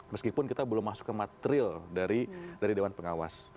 meskipun kita belum masuk ke material dari dewan pengawas